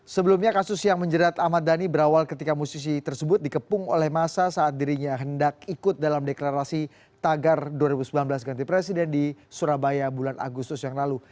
sebelumnya kasus yang menjerat ahmad dhani berawal ketika musisi tersebut dikepung oleh masa saat dirinya hendak ikut dalam deklarasi tagar dua ribu sembilan belas ganti presiden di surabaya bulan agustus yang lalu